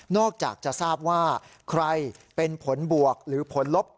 อกจากจะทราบว่าใครเป็นผลบวกหรือผลลบ